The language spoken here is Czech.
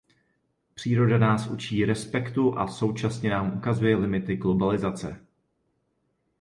Příroda nás učí respektu a současně nám ukazuje limity globalizace.